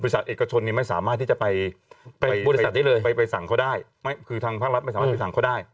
บริษัทเอกชนนี้ไม่สามารถที่จะไปสั่งเขาได้คือทางภาครัฐไม่สามารถไปสั่งเขาได้